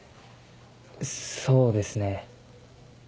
そうですね。